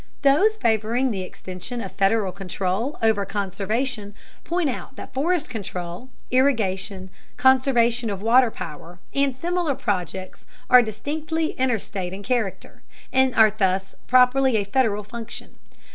Those favoring the extension of Federal control over conservation point out that forest control, irrigation, conservation of water power, and similar projects are distinctly interstate in character, and are thus properly a Federal function.